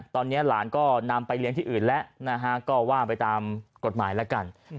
ตอนนี้หลานก็นำไปเลี้ยงที่อื่นแล้วก็ว่าไปตามกฎหมายแล้วกัน